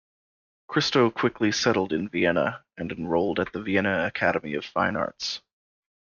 Christo quickly settled in Vienna and enrolled at the Vienna Academy of Fine Arts.